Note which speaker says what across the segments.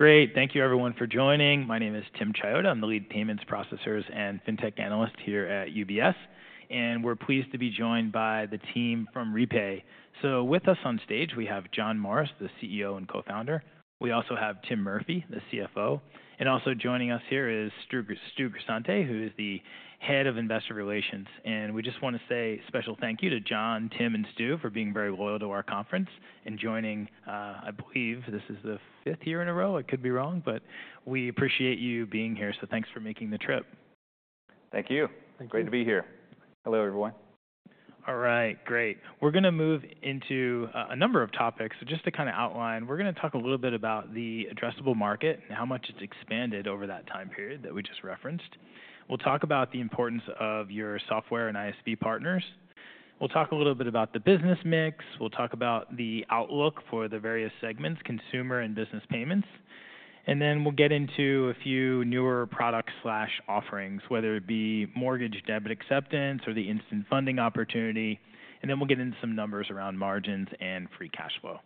Speaker 1: Great. Thank you, everyone, for joining. My name is Tim Chiodo. I'm the lead payments processors and fintech analyst here at UBS. And we're pleased to be joined by the team from Repay. So with us on stage, we have John Morris, the CEO and co-founder. We also have Tim Murphy, the CFO. And also joining us here is Stu Grisante, who is the head of investor relations. And we just want to say a special thank you to John, Tim, and Stu for being very loyal to our conference and joining. I believe this is the fifth year in a row. I could be wrong, but we appreciate you being here. So thanks for making the trip.
Speaker 2: Thank you. Great to be here. Hello, everyone.
Speaker 1: All right, great. We're going to move into a number of topics. So just to kind of outline, we're going to talk a little bit about the addressable market and how much it's expanded over that time period that we just referenced. We'll talk about the importance of your software and ISV partners. We'll talk a little bit about the business mix. We'll talk about the outlook for the various segments, consumer and business payments. And then we'll get into a few newer products/offerings, whether it be mortgage debit acceptance or the Instant Funding opportunity. And then we'll get into some numbers around margins and free cash flow.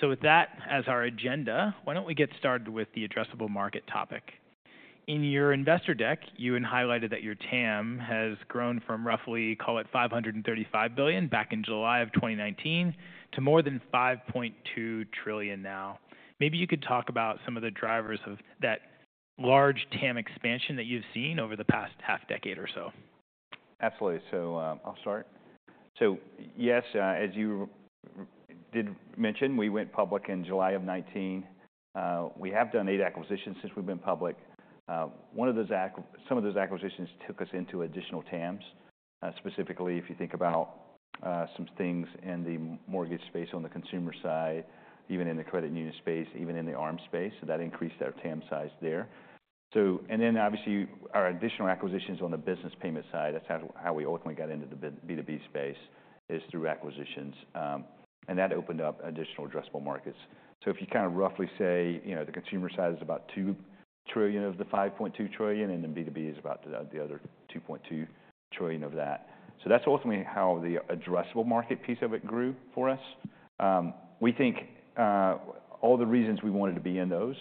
Speaker 1: So with that as our agenda, why don't we get started with the addressable market topic? In your investor deck, you had highlighted that your TAM has grown from roughly, call it, $535 billion back in July of 2019 to more than $5.2 trillion now. Maybe you could talk about some of the drivers of that large TAM expansion that you've seen over the past half-decade or so?
Speaker 2: Absolutely. So I'll start. So yes, as you did mention, we went public in July of 2019. We have done eight acquisitions since we've been public. Some of those acquisitions took us into additional TAMs, specifically if you think about some things in the mortgage space on the consumer side, even in the credit union space, even in the ARM space. So that increased our TAM size there. And then obviously, our additional acquisitions on the business payment side, that's how we ultimately got into the B2B space, is through acquisitions. And that opened up additional addressable markets. So if you kind of roughly say, the consumer side is about $2 trillion of the $5.2 trillion, and then B2B is about the other $2.2 trillion of that. So that's ultimately how the addressable market piece of it grew for us. We think all the reasons we wanted to be in those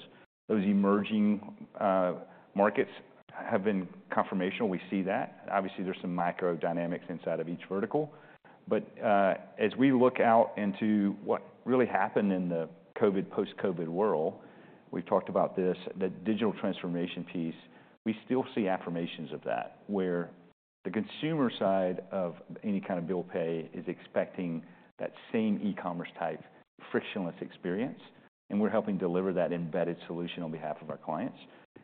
Speaker 2: emerging markets have been confirmational. We see that. Obviously, there's some microdynamics inside of each vertical. But as we look out into what really happened in the COVID, post-COVID world, we've talked about this, the digital transformation piece, we still see affirmations of that, where the consumer side of any kind of bill pay is expecting that same e-commerce-type frictionless experience. And we're helping deliver that embedded solution on behalf of our clients.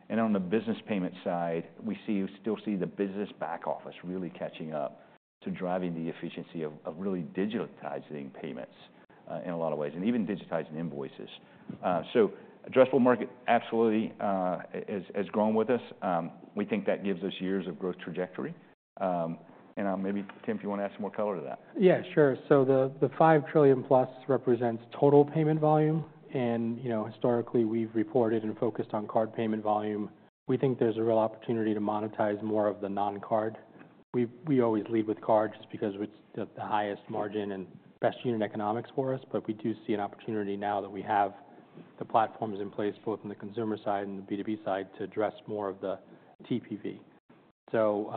Speaker 2: And on the business payment side, we still see the business back office really catching up to driving the efficiency of really digitizing payments in a lot of ways, and even digitizing invoices. So addressable market absolutely has grown with us. We think that gives us years of growth trajectory. And maybe, Tim, if you want to add some more color to that.
Speaker 3: Yeah, sure. So the $5 trillion plus represents total payment volume, and historically, we've reported and focused on card payment volume. We think there's a real opportunity to monetize more of the non-card. We always lead with card just because it's the highest margin and best unit economics for us, but we do see an opportunity now that we have the platforms in place, both on the consumer side and the B2B side, to address more of the TPV, so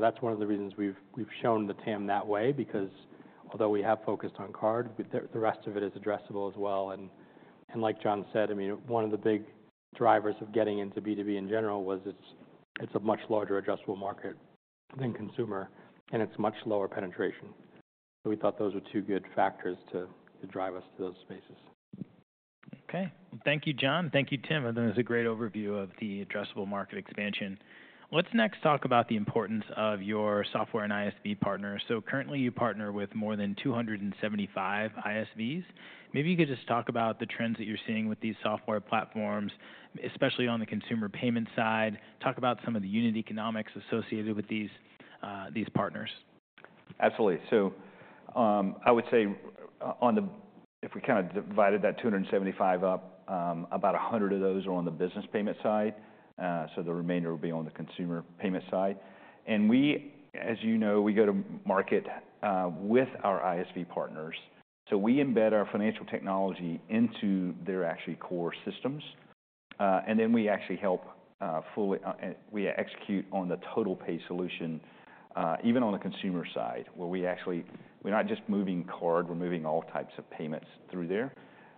Speaker 3: that's one of the reasons we've shown the TAM that way, because although we have focused on card, the rest of it is addressable as well, and like John said, I mean, one of the big drivers of getting into B2B in general was it's a much larger addressable market than consumer, and it's much lower penetration. So we thought those were two good factors to drive us to those spaces.
Speaker 1: Okay. Thank you, John. Thank you, Tim. That was a great overview of the addressable market expansion. Let's next talk about the importance of your software and ISV partners. So currently, you partner with more than 275 ISVs. Maybe you could just talk about the trends that you're seeing with these software platforms, especially on the consumer payment side. Talk about some of the unit economics associated with these partners.
Speaker 2: Absolutely, so I would say if we kind of divided that 275 up, about 100 of those are on the business payment side, so the remainder will be on the consumer payment side, and as you know, we go to market with our ISV partners, so we embed our financial technology into their actual core systems, and then we actually help fully execute on the total pay solution, even on the consumer side, where we actually, we're not just moving card. We're moving all types of payments through there.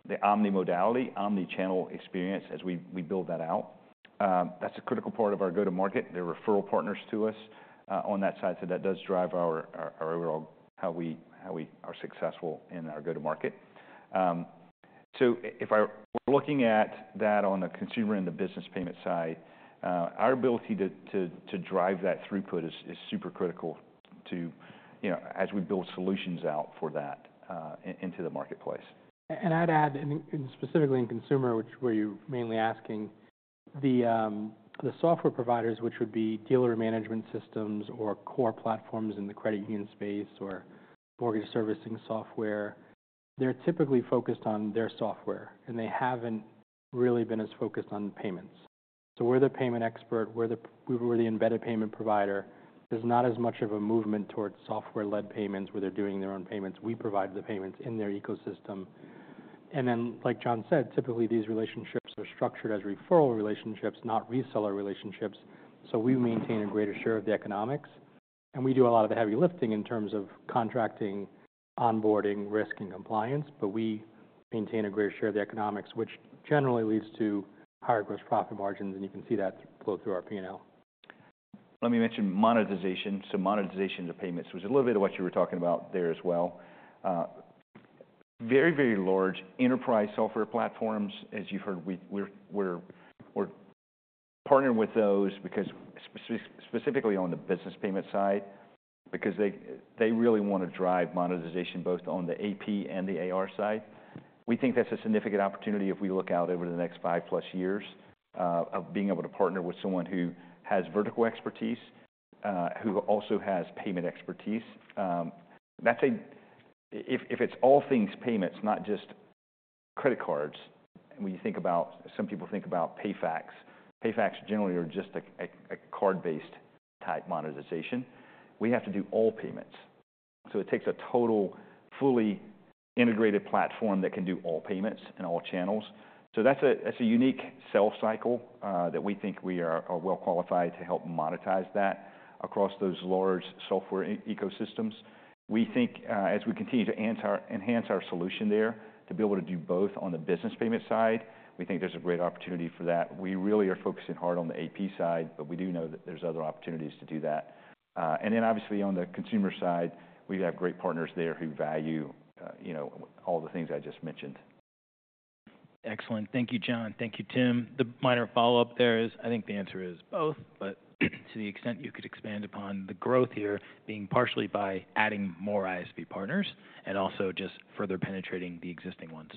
Speaker 2: The omni-modality, omni-channel experience, as we build that out, that's a critical part of our go-to-market. They're referral partners to us on that side, so that does drive how we are successful in our go-to-market. So if we're looking at that on the consumer and the business payment side, our ability to drive that throughput is super critical as we build solutions out for that into the marketplace.
Speaker 3: And I'd add, specifically in consumer, which is where you're mainly asking, the software providers, which would be dealer management systems or core platforms in the credit union space or mortgage servicing software, they're typically focused on their software. And they haven't really been as focused on payments. So we're the payment expert. We're the embedded payment provider. There's not as much of a movement towards software-led payments where they're doing their own payments. We provide the payments in their ecosystem. And then, like John said, typically, these relationships are structured as referral relationships, not reseller relationships. So we maintain a greater share of the economics. And we do a lot of the heavy lifting in terms of contracting, onboarding, risk, and compliance. But we maintain a greater share of the economics, which generally leads to higher gross profit margins. And you can see that flow through our P&L.
Speaker 2: Let me mention monetization. So monetization of payments was a little bit of what you were talking about there as well. Very, very large enterprise software platforms, as you've heard, we're partnering with those specifically on the business payment side, because they really want to drive monetization both on the AP and the AR side. We think that's a significant opportunity if we look out over the next five-plus years of being able to partner with someone who has vertical expertise, who also has payment expertise. If it's all things payments, not just credit cards, and when you think about some people think about PayFac, PayFac generally are just a card-based type monetization. We have to do all payments. So it takes a total, fully integrated platform that can do all payments and all channels. So that's a unique sell cycle that we think we are well qualified to help monetize that across those large software ecosystems. We think as we continue to enhance our solution there to be able to do both on the business payment side, we think there's a great opportunity for that. We really are focusing hard on the AP side, but we do know that there's other opportunities to do that. And then obviously, on the consumer side, we have great partners there who value all the things I just mentioned.
Speaker 1: Excellent. Thank you, John. Thank you, Tim. The minor follow-up there is I think the answer is both, but to the extent you could expand upon the growth here being partially by adding more ISV partners and also just further penetrating the existing ones.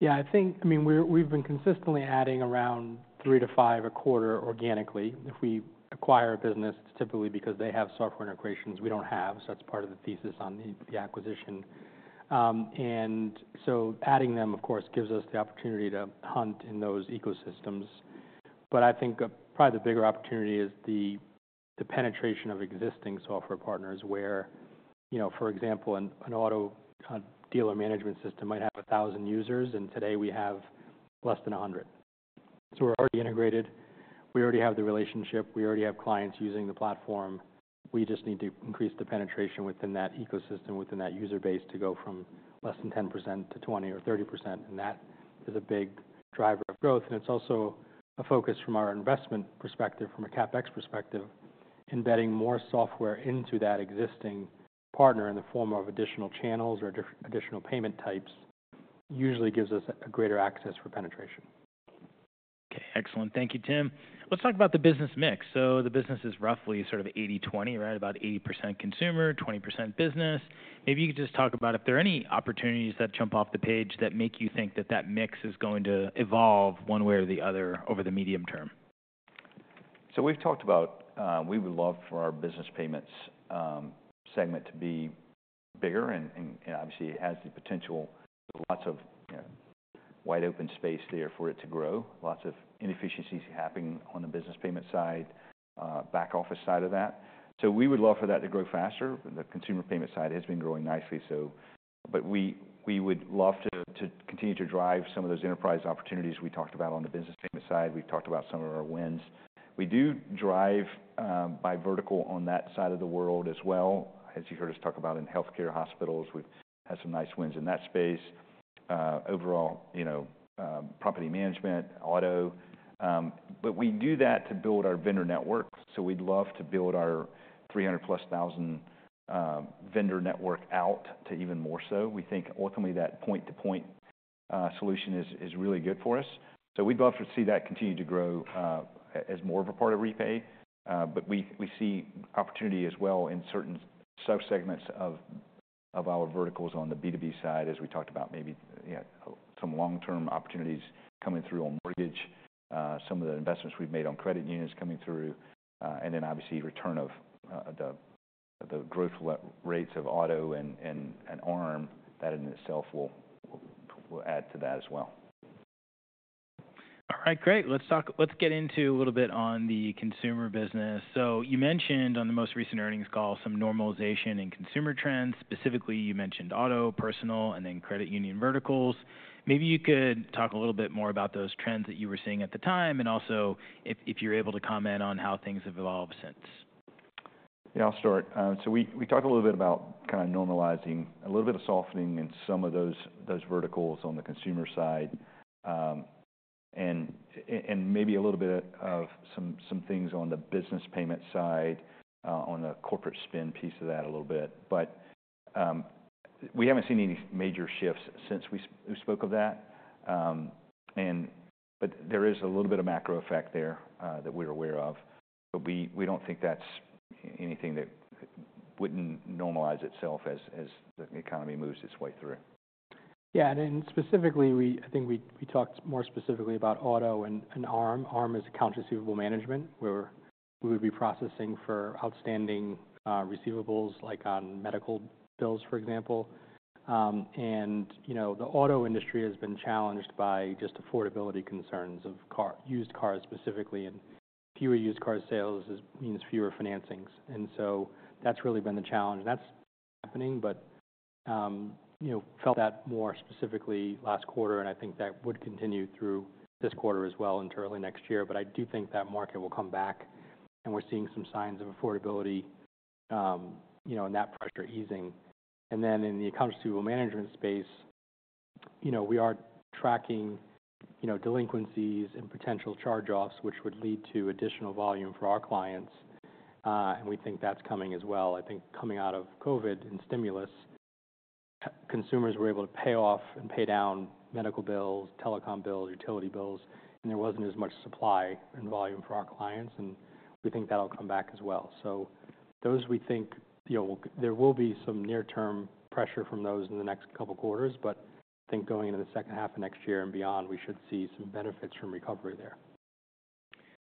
Speaker 3: Yeah, I think I mean, we've been consistently adding around three to five a quarter organically. If we acquire a business, it's typically because they have software integrations we don't have. So that's part of the thesis on the acquisition. And so adding them, of course, gives us the opportunity to hunt in those ecosystems. But I think probably the bigger opportunity is the penetration of existing software partners, where, for example, an auto dealer management system might have 1,000 users, and today we have less than 100. So we're already integrated. We already have the relationship. We already have clients using the platform. We just need to increase the penetration within that ecosystem, within that user base to go from less than 10% to 20% or 30%. And that is a big driver of growth. It's also a focus from our investment perspective, from a CapEx perspective, embedding more software into that existing partner in the form of additional channels or additional payment types usually gives us greater access for penetration.
Speaker 1: OK, excellent. Thank you, Tim. Let's talk about the business mix. So the business is roughly sort of 80/20, right? About 80% consumer, 20% business. Maybe you could just talk about if there are any opportunities that jump off the page that make you think that that mix is going to evolve one way or the other over the medium term.
Speaker 2: So we've talked about we would love for our business payments segment to be bigger. And obviously, it has the potential. There's lots of wide open space there for it to grow, lots of inefficiencies happening on the business payment side, back office side of that. So we would love for that to grow faster. The consumer payment side has been growing nicely. But we would love to continue to drive some of those enterprise opportunities we talked about on the business payment side. We've talked about some of our wins. We do drive by vertical on that side of the world as well. As you heard us talk about in health care, hospitals, we've had some nice wins in that space. Overall, property management, auto. But we do that to build our vendor network. So we'd love to build our 300-plus thousand vendor network out to even more so. We think ultimately that point-to-point solution is really good for us. So we'd love to see that continue to grow as more of a part of Repay. But we see opportunity as well in certain subsegments of our verticals on the B2B side, as we talked about, maybe some long-term opportunities coming through on mortgage, some of the investments we've made on credit unions coming through. And then obviously, return of the growth rates of auto and ARM, that in itself will add to that as well.
Speaker 1: All right, great. Let's get into a little bit on the consumer business. So you mentioned on the most recent earnings call some normalization in consumer trends. Specifically, you mentioned auto, personal, and then credit union verticals. Maybe you could talk a little bit more about those trends that you were seeing at the time, and also if you're able to comment on how things have evolved since.
Speaker 2: Yeah, I'll start. So we talked a little bit about kind of normalizing, a little bit of softening in some of those verticals on the consumer side, and maybe a little bit of some things on the business payment side, on the corporate spend piece of that a little bit. But we haven't seen any major shifts since we spoke of that. But there is a little bit of macro effect there that we're aware of. But we don't think that's anything that wouldn't normalize itself as the economy moves its way through.
Speaker 3: Yeah, and specifically, I think we talked more specifically about auto and ARM. ARM is Accounts Receivable Management, where we would be processing for outstanding receivables, like on medical bills, for example. And the auto industry has been challenged by just affordability concerns of used cars specifically. And fewer used car sales means fewer financings. And so that's really been the challenge. And that's happening. But felt that more specifically last quarter. And I think that would continue through this quarter as well into early next year. But I do think that market will come back. And we're seeing some signs of affordability and that pressure easing. And then in the accounts receivable management space, we are tracking delinquencies and potential charge-offs, which would lead to additional volume for our clients. And we think that's coming as well. I think coming out of COVID and stimulus, consumers were able to pay off and pay down medical bills, telecom bills, utility bills. And there wasn't as much supply and volume for our clients. And we think that'll come back as well. So those we think there will be some near-term pressure from those in the next couple of quarters. But I think going into the second half of next year and beyond, we should see some benefits from recovery there.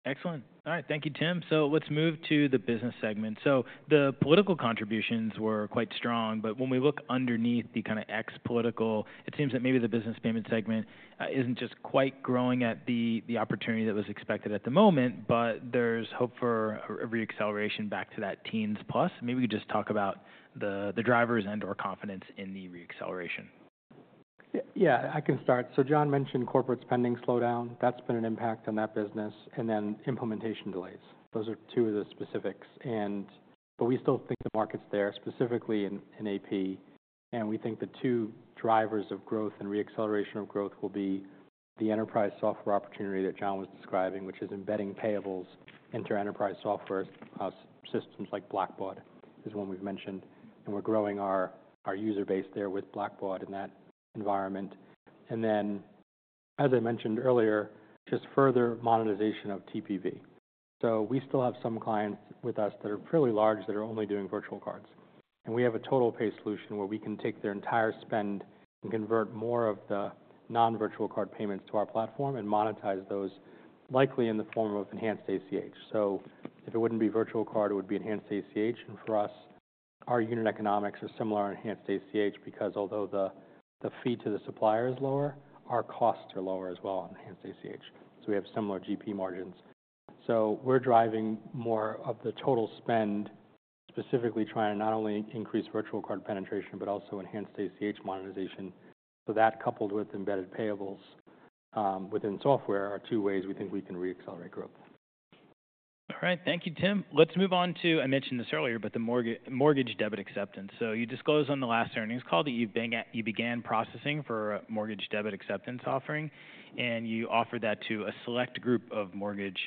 Speaker 1: Excellent. All right, thank you, Tim. So let's move to the business segment. So the political contributions were quite strong. But when we look underneath the kind of ex-political, it seems that maybe the business payment segment isn't just quite growing at the opportunity that was expected at the moment. But there's hope for a reacceleration back to that teens plus. Maybe we could just talk about the drivers and/or confidence in the reacceleration.
Speaker 3: Yeah, I can start. So John mentioned corporate spending slowdown. That's been an impact on that business. And then implementation delays. Those are two of the specifics. But we still think the market's there, specifically in AP. And we think the two drivers of growth and reacceleration of growth will be the enterprise software opportunity that John was describing, which is embedding payables into enterprise software systems like Blackbaud, is one we've mentioned. And we're growing our user base there with Blackbaud in that environment. And then, as I mentioned earlier, just further monetization of TPV. So we still have some clients with us that are fairly large that are only doing virtual cards. And we have a TotalPay solution where we can take their entire spend and convert more of the non-virtual card payments to our platform and monetize those, likely in the form of enhanced ACH. So if it wouldn't be virtual card, it would be enhanced ACH. And for us, our unit economics are similar enhanced ACH, because although the fee to the supplier is lower, our costs are lower as well on enhanced ACH. So we have similar GP margins. So we're driving more of the total spend, specifically trying to not only increase virtual card penetration, but also enhanced ACH monetization. So that coupled with embedded payables within software are two ways we think we can reaccelerate growth.
Speaker 1: All right, thank you, Tim. Let's move on to I mentioned this earlier, but the mortgage debit acceptance. So you disclosed on the last earnings call that you began processing for a mortgage debit acceptance offering. And you offered that to a select group of mortgage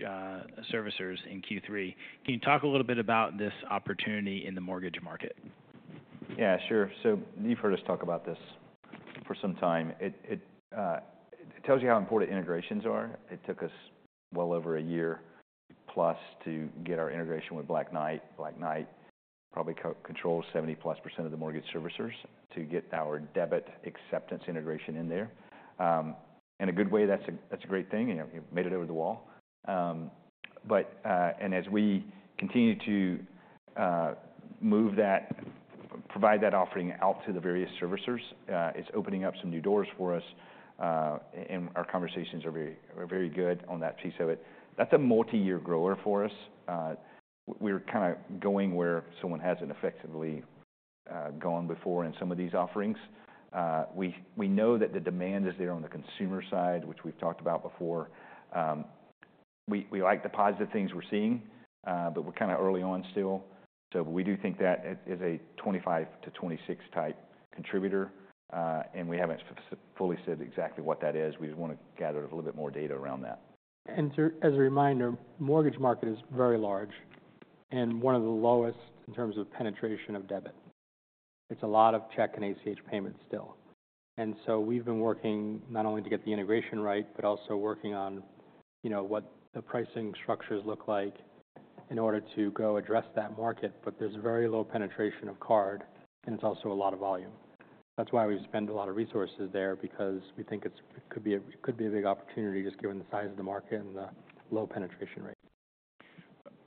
Speaker 1: servicers in Q3. Can you talk a little bit about this opportunity in the mortgage market?
Speaker 2: Yeah, sure. So you've heard us talk about this for some time. It tells you how important integrations are. It took us well over a year plus to get our integration with Black Knight. Black Knight probably controls 70-+% of the mortgage servicers to get our debit acceptance integration in there. In a good way, that's a great thing. You've made it over the wall. And as we continue to move that, provide that offering out to the various servicers, it's opening up some new doors for us. And our conversations are very good on that piece of it. That's a multi-year grower for us. We're kind of going where someone hasn't effectively gone before in some of these offerings. We know that the demand is there on the consumer side, which we've talked about before. We like the positive things we're seeing. But we're kind of early on still. So we do think that is a 25%-26% type contributor. And we haven't fully said exactly what that is. We just want to gather a little bit more data around that.
Speaker 3: As a reminder, the mortgage market is very large and one of the lowest in terms of penetration of debit. It's a lot of check and ACH payments still. So we've been working not only to get the integration right, but also working on what the pricing structures look like in order to go address that market. There's very low penetration of card. It's also a lot of volume. That's why we've spent a lot of resources there, because we think it could be a big opportunity just given the size of the market and the low penetration rate.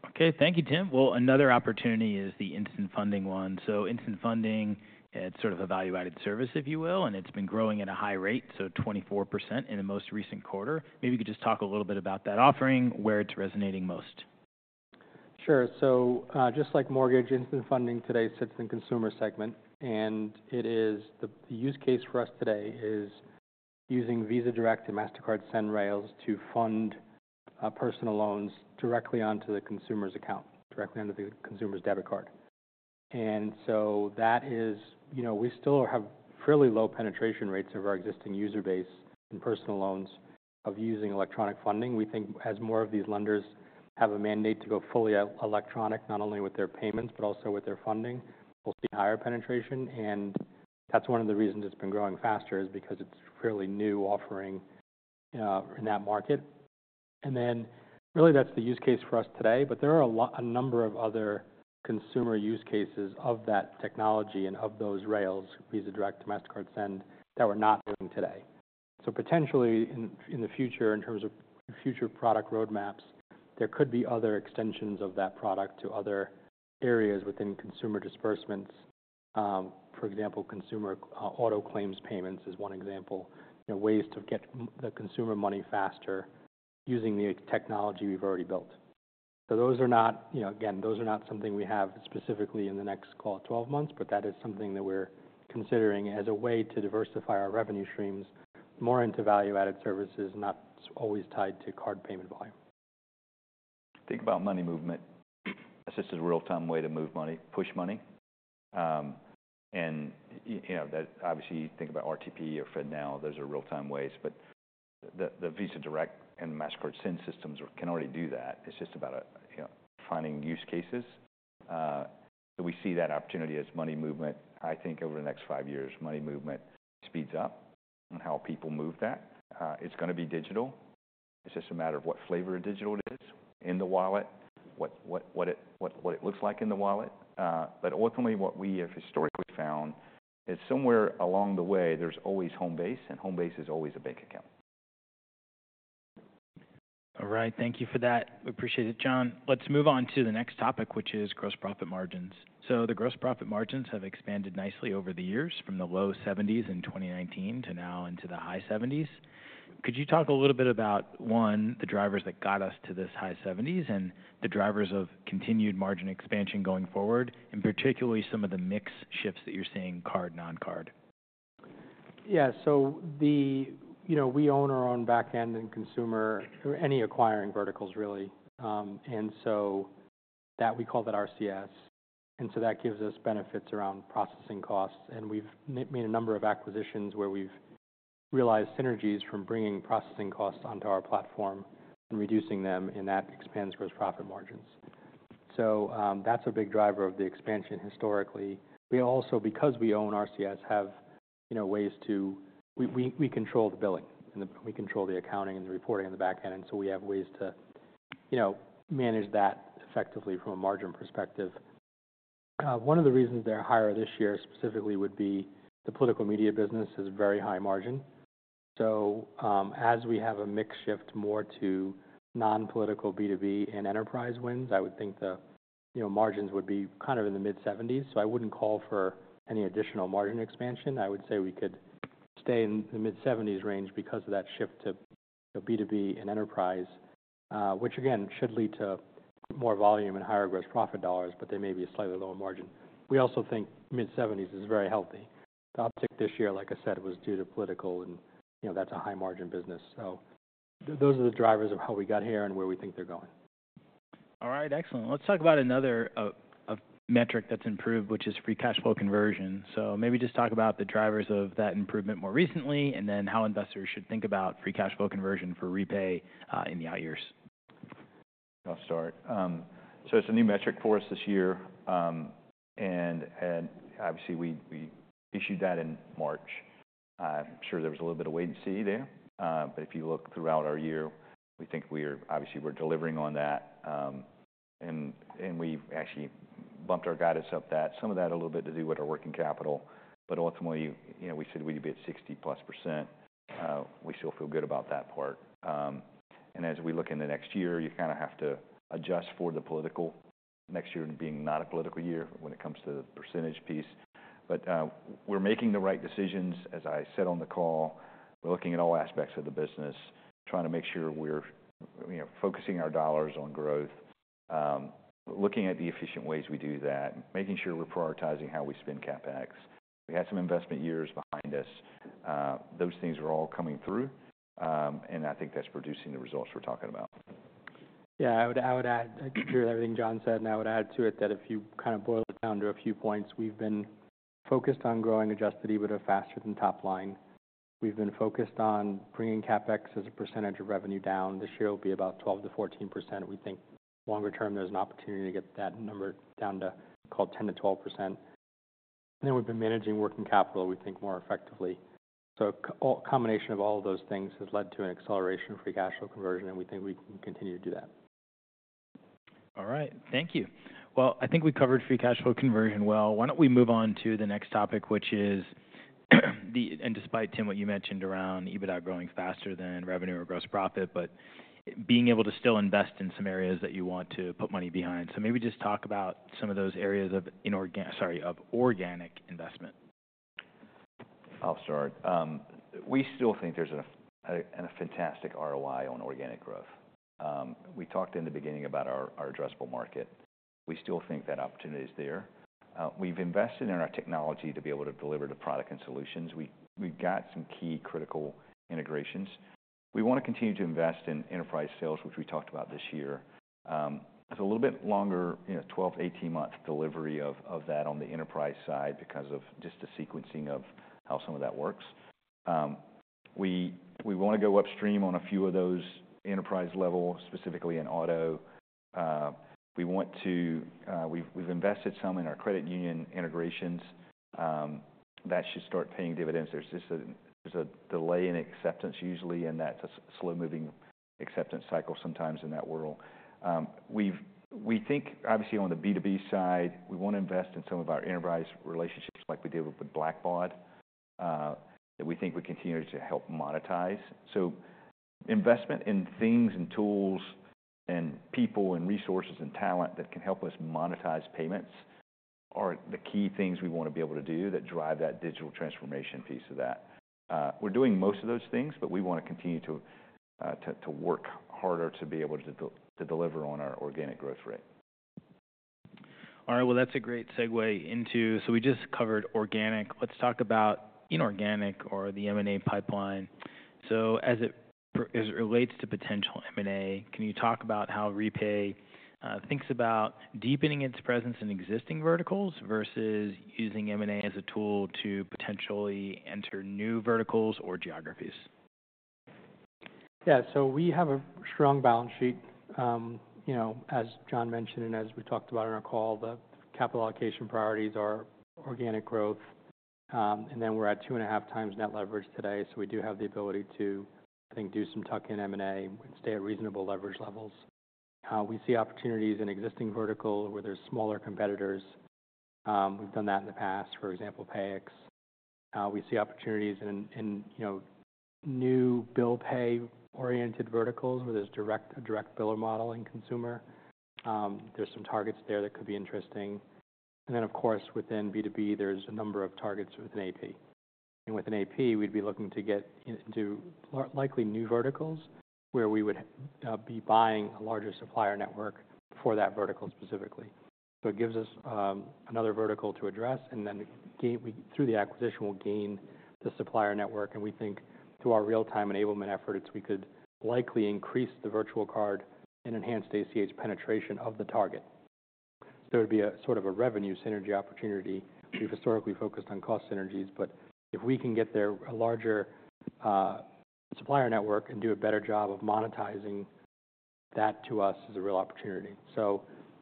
Speaker 1: OK, thank you, Tim. Another opportunity is the Instant Funding one. Instant Funding, it's sort of a value-added service, if you will. It's been growing at a high rate, 24% in the most recent quarter. Maybe you could just talk a little bit about that offering, where it's resonating most.
Speaker 3: Sure. So just like mortgage, Instant Funding today sits in the consumer segment. And the use case for us today is using Visa Direct and Mastercard Send rails to fund personal loans directly onto the consumer's account, directly onto the consumer's debit card. And so that is we still have fairly low penetration rates of our existing user base in personal loans of using electronic funding. We think as more of these lenders have a mandate to go fully electronic, not only with their payments, but also with their funding, we'll see higher penetration. And that's one of the reasons it's been growing faster is because it's a fairly new offering in that market. And then really, that's the use case for us today. But there are a number of other consumer use cases of that technology and of those rails, Visa Direct, Mastercard Send, that we're not doing today. So potentially in the future, in terms of future product roadmaps, there could be other extensions of that product to other areas within consumer disbursements. For example, consumer auto claims payments is one example, ways to get the consumer money faster using the technology we've already built. So those are not again, those are not something we have specifically in the next call, 12 months. But that is something that we're considering as a way to diversify our revenue streams more into value-added services, not always tied to card payment volume.
Speaker 2: Think about money movement. It's just a real-time way to move money, push money, and obviously, you think about RTP or FedNow. Those are real-time ways, but the Visa Direct and Mastercard Send systems can already do that. It's just about finding use cases, so we see that opportunity as money movement. I think over the next five years, money movement speeds up on how people move that. It's going to be digital. It's just a matter of what flavor of digital it is in the wallet, what it looks like in the wallet, but ultimately, what we have historically found is somewhere along the way, there's always home base, and home base is always a bank account.
Speaker 1: All right, thank you for that. We appreciate it, John. Let's move on to the next topic, which is gross profit margins. So the gross profit margins have expanded nicely over the years from the low 70s in 2019 to now into the high 70s. Could you talk a little bit about, one, the drivers that got us to this high 70s and the drivers of continued margin expansion going forward, and particularly some of the mix shifts that you're seeing card, non-card?
Speaker 3: Yeah, so we own our own back end and consumer or any acquiring verticals, really. And so we call that RCS. And so that gives us benefits around processing costs. And we've made a number of acquisitions where we've realized synergies from bringing processing costs onto our platform and reducing them. And that expands gross profit margins. So that's a big driver of the expansion historically. We also, because we own RCS, have ways to control the billing. And we control the accounting and the reporting on the back end. And so we have ways to manage that effectively from a margin perspective. One of the reasons they're higher this year specifically would be the political media business is a very high margin. So as we have a mix shift more to non-political B2B and enterprise wins, I would think the margins would be kind of in the mid-70s. So I wouldn't call for any additional margin expansion. I would say we could stay in the mid-70s range because of that shift to B2B and enterprise, which again should lead to more volume and higher gross profit dollars. But they may be a slightly lower margin. We also think mid-70s is very healthy. The uptick this year, like I said, was due to political. And that's a high-margin business. So those are the drivers of how we got here and where we think they're going.
Speaker 1: All right, excellent. Let's talk about another metric that's improved, which is free cash flow conversion. So maybe just talk about the drivers of that improvement more recently, and then how investors should think about free cash flow conversion for Repay in the out years.
Speaker 2: I'll start. So it's a new metric for us this year. And obviously, we issued that in March. I'm sure there was a little bit of wait and see there. But if you look throughout our year, we think we are obviously, we're delivering on that. And we actually bumped our guidance up that some of that a little bit to do with our working capital. But ultimately, we said we'd be at 60-plus%. We still feel good about that part. And as we look into next year, you kind of have to adjust for the political next year being not a political year when it comes to the percentage piece. But we're making the right decisions. As I said on the call, we're looking at all aspects of the business, trying to make sure we're focusing our dollars on growth, looking at the efficient ways we do that, making sure we're prioritizing how we spend CapEx. We had some investment years behind us. Those things are all coming through, and I think that's producing the results we're talking about.
Speaker 3: Yeah, I would add to everything John said and I would add to it that if you kind of boil it down to a few points, we've been focused on growing adjusted EBITDA faster than top line. We've been focused on bringing CapEx as a percentage of revenue down. This year will be about 12%-14%. We think longer term, there's an opportunity to get that number down to, call it 10%-12%, and then we've been managing working capital, we think, more effectively, so a combination of all of those things has led to an acceleration of free cash flow conversion and we think we can continue to do that.
Speaker 1: All right, thank you. Well, I think we covered free cash flow conversion well. Why don't we move on to the next topic, which is, and despite, Tim, what you mentioned around EBITDA growing faster than revenue or gross profit, but being able to still invest in some areas that you want to put money behind. So maybe just talk about some of those areas of organic investment.
Speaker 2: I'll start. We still think there's a fantastic ROI on organic growth. We talked in the beginning about our addressable market. We still think that opportunity is there. We've invested in our technology to be able to deliver the product and solutions. We've got some key critical integrations. We want to continue to invest in enterprise sales, which we talked about this year. It's a little bit longer, 12- to 18-month delivery of that on the enterprise side because of just the sequencing of how some of that works. We want to go upstream on a few of those enterprise level, specifically in auto. We've invested some in our credit union integrations. That should start paying dividends. There's a delay in acceptance usually, and that's a slow-moving acceptance cycle sometimes in that world. We think, obviously, on the B2B side, we want to invest in some of our enterprise relationships like we did with Blackbaud that we think would continue to help monetize. So investment in things and tools and people and resources and talent that can help us monetize payments are the key things we want to be able to do that drive that digital transformation piece of that. We're doing most of those things. But we want to continue to work harder to be able to deliver on our organic growth rate.
Speaker 1: All right, well, that's a great segue into so we just covered organic. Let's talk about inorganic or the M&A pipeline. So as it relates to potential M&A, can you talk about how Repay thinks about deepening its presence in existing verticals versus using M&A as a tool to potentially enter new verticals or geographies?
Speaker 3: Yeah, so we have a strong balance sheet. As John mentioned and as we talked about in our call, the capital allocation priorities are organic growth, and then we're at 2.5 times net leverage today. So we do have the ability to, I think, do some tuck-in M&A and stay at reasonable leverage levels. We see opportunities in existing verticals where there are smaller competitors. We've done that in the past, for example, Payix. We see opportunities in new bill pay-oriented verticals where there's a direct biller model and consumer. There's some targets there that could be interesting, and then, of course, within B2B, there's a number of targets within AP, and within AP, we'd be looking to get into likely new verticals where we would be buying a larger supplier network for that vertical specifically, so it gives us another vertical to address. And then through the acquisition, we'll gain the supplier network. And we think through our real-time enablement efforts, we could likely increase the virtual card and enhanced ACH penetration of the target. So there would be a sort of a revenue synergy opportunity. We've historically focused on cost synergies. But if we can get there a larger supplier network and do a better job of monetizing that to us is a real opportunity. So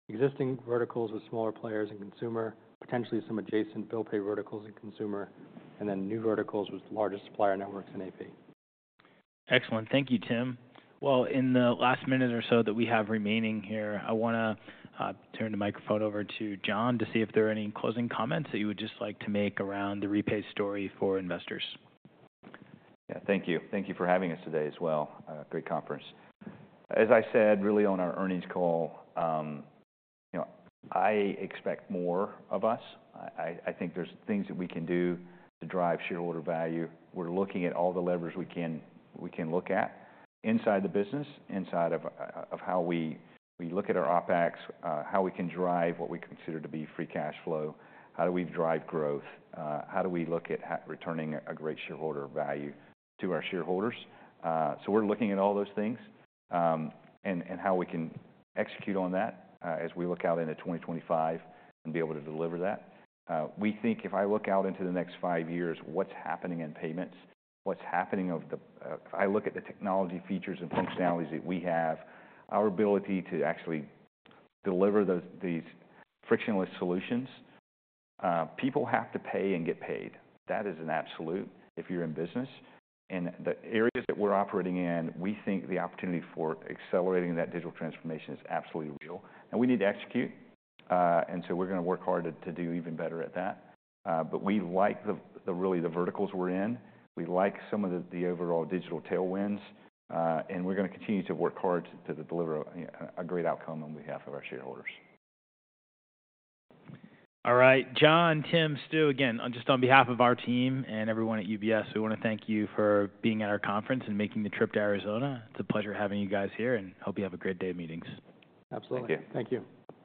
Speaker 3: existing verticals with smaller players and consumer, potentially some adjacent bill pay verticals and consumer, and then new verticals with the largest supplier networks in AP.
Speaker 1: Excellent. Thank you, Tim. In the last minute or so that we have remaining here, I want to turn the microphone over to John to see if there are any closing comments that you would just like to make around the Repay story for investors.
Speaker 2: Yeah, thank you. Thank you for having us today as well. Great conference. As I said really on our earnings call, I expect more of us. I think there's things that we can do to drive shareholder value. We're looking at all the levers we can look at inside the business, inside of how we look at our OpEx, how we can drive what we consider to be free cash flow, how do we drive growth, how do we look at returning a great shareholder value to our shareholders. So we're looking at all those things and how we can execute on that as we look out into 2025 and be able to deliver that. We think if I look out into the next five years, what's happening in payments, if I look at the technology features and functionalities that we have, our ability to actually deliver these frictionless solutions. People have to pay and get paid. That is an absolute if you're in business. And the areas that we're operating in, we think the opportunity for accelerating that digital transformation is absolutely real. And we need to execute. And so we're going to work hard to do even better at that. But we like really the verticals we're in. We like some of the overall digital tailwinds. And we're going to continue to work hard to deliver a great outcome on behalf of our shareholders.
Speaker 1: All right, John, Tim, Stu, again, just on behalf of our team and everyone at UBS, we want to thank you for being at our conference and making the trip to Arizona. It's a pleasure having you guys here and hope you have a great day of meetings.
Speaker 3: Absolutely.
Speaker 2: Thank you.
Speaker 3: Thank you.